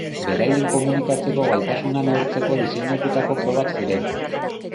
Beraien komunikatzeko gaitasuna neurtzeko diseinatutako probak ziren.